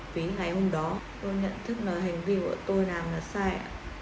với ngày hôm đó tôi nhận thức là hành vi của tôi làm là sai